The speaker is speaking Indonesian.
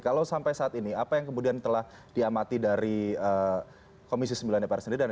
kalau sampai saat ini apa yang kemudian telah diamati dari komisi sembilan dpr sendiri